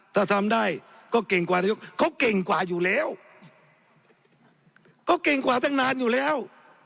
ถ้าทำได้ก็เก่งกว่าเร็วเค้าเก่งกว่าอยู่แล้ว